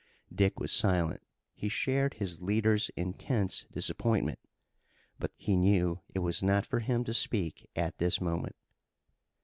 Dick was silent. He shared his leader's intense disappointment, but he knew that it was not for him to speak at this moment.